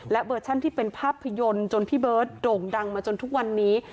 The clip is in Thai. และเวอร์ชั่นที่เป็นภาพยนตร์จนพี่เบิร์ตโด่งดังมาจนทุกวันนี้